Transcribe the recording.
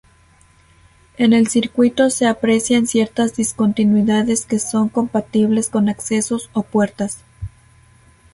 En el circuito se aprecian ciertas discontinuidades que son compatibles con accesos o puertas.